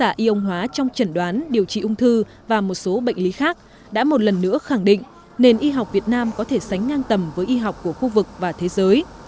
và ion hóa trong trần đoán điều trị ung thư và một số bệnh lý khác đã một lần nữa khẳng định nền y học việt nam có thể sánh ngang tầm với y học của khu vực và thế giới